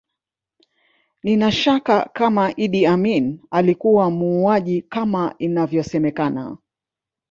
Nina shaka kama Idi Amin alikuwa muuaji kama inavyosemekana